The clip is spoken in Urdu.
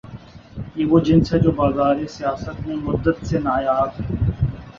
یہ وہ جنس ہے جو بازار سیاست میں مدت سے نایاب ہے۔